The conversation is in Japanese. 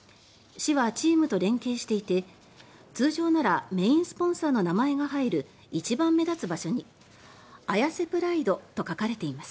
市はチームと連携していて通常ならメインスポンサーの名前が入る一番目立つ場所にＡＹＡＳＥＰＲＩＤＥと書かれています。